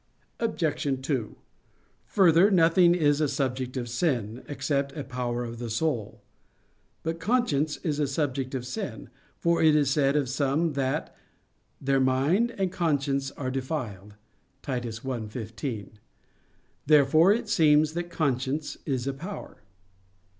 Obj. 2: Further, nothing is a subject of sin, except a power of the soul. But conscience is a subject of sin; for it is said of some that "their mind and conscience are defiled" (Titus 1:15). Therefore it seems that conscience is a power.